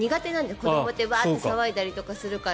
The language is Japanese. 子どもってワーッと騒いだりとかするから。